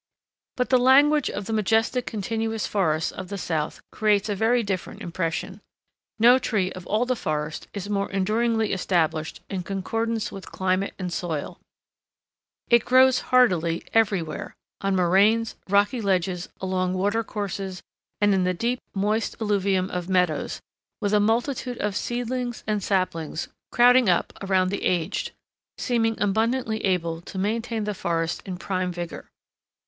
But the language of the majestic continuous forests of the south creates a very different impression. No tree of all the forest is more enduringly established in concordance with climate and soil. It grows heartily everywhere—on moraines, rocky ledges, along watercourses, and in the deep, moist alluvium of meadows, with a multitude of seedlings and saplings crowding up around the aged, seemingly abundantly able to maintain the forest in prime vigor.